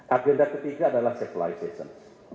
agenda ketiga adalah civilization